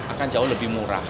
akan jauh lebih murah